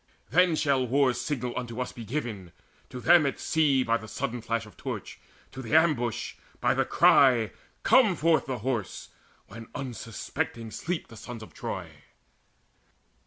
Then shall war's signal unto us be given To them at sea, by sudden flash of torch, To the ambush, by the cry, `Come forth the Horse!' When unsuspecting sleep the sons of Troy."